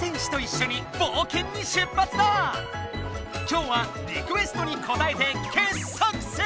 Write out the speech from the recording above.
今日はリクエストにこたえて傑作選！